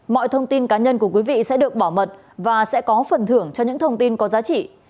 mọi thông tin cá nhân của quý vị sẽ được bảo mật và sẽ có phần thưởng cho những thông tin có giá trị